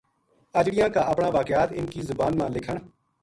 اجڑیاں کا اپنا واقعات اِنھ کی زبان ما لکھن